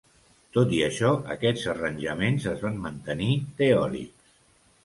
Tot i això, aquests arranjaments es van mantenir teòrics.